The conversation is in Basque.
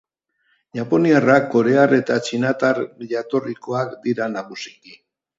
Japoniarrak korear eta txinatar jatorrikoak dira nagusiki.